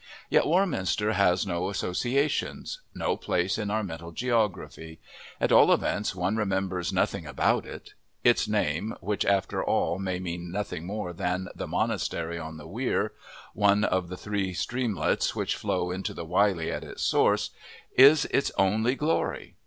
Yet Warminster has no associations no place in our mental geography; at all events one remembers nothing about it. Its name, which after all may mean nothing more than the monastery on the Were one of the three streamlets which flow into the Wylye at its source is its only glory.